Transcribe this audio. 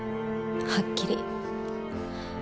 はっきり。